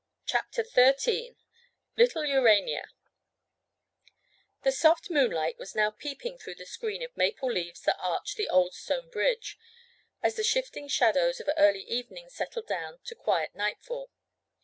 CHAPTER XIII LITTLE URANIA The soft moonlight was now peeping through the screen of maple leaves that arched the old stone bridge, as the shifting shadows of early evening settled down to quiet nightfall.